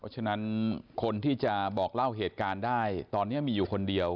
ฉะนั้นคนที่จะบอกเล่าเหตุการณ์ได้ตอนนี้มีอยู่คนเดียว